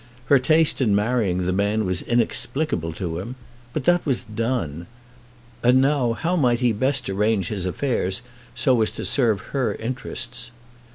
Her taste in marrying the man was inexplicable to him. But that was done; and now how might he best arrange his affairs so as to serve her interests?